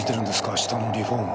下のリフォーム？